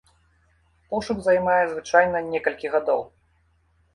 Пошук займае звычайна некалькі гадоў.